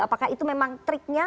apakah itu memang triknya